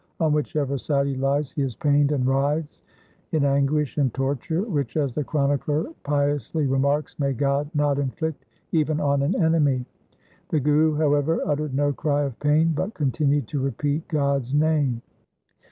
On whichever side he lies, he is pained and writhes in anguish and torture, which, as the chronicler piously remarks, may God not inflict even on an enemy ! The Guru, however, uttered no cry of pain, but continued to repeat God's name.